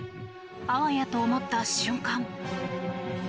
あわやと思った瞬間。